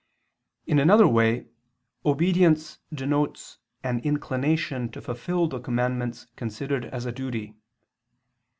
In another way, obedience denotes an inclination to fulfil the commandments considered as a duty.